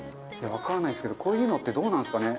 分からないですけどこういうのってどうなんすかね？